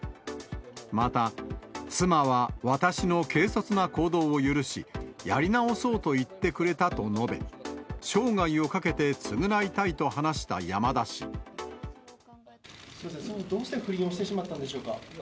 また、妻は私の軽率な行動を許し、やり直そうと言ってくれたと述べ、生涯をかけて償いたいと話した山すみません、どうして不倫をしてしまったんでしょうか。